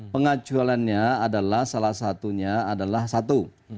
pengajuannya adalah salah satunya adalah satu